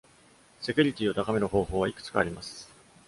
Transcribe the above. セキュリティを高める方法はいくつかあります。